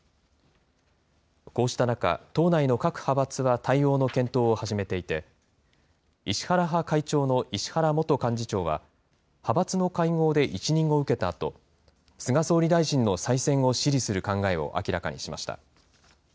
こうした中、党内の各派閥は対応の検討を始めていて、石原派会長の石原元幹事長は、派閥の会合で一任を受けたあと、菅総理大臣の再選を支持する考えを明らかにしました。